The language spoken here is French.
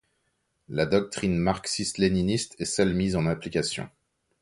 La doctrine marxiste-léniniste est celle mise en application.